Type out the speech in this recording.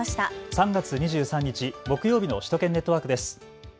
３月２３日、木曜日の首都圏ネットワークです。